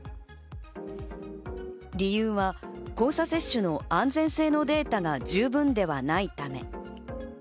理由は交差接種の安全性のデータが十分ではないため。